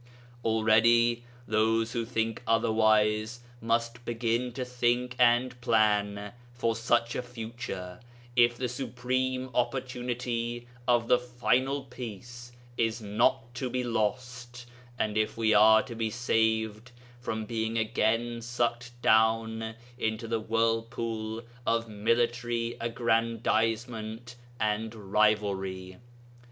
Already those who think otherwise must begin to think and plan for such a future if the supreme opportunity of the final peace is not to be lost, and if we are to be saved from being again sucked down into the whirlpool of military aggrandizement and rivalry.